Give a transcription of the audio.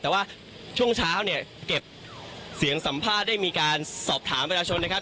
แต่ว่าช่วงเช้าเนี่ยเก็บเสียงสัมภาษณ์ได้มีการสอบถามประชาชนนะครับ